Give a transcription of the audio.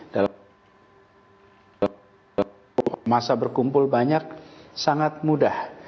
dalam masa berkumpul banyak sangat mudah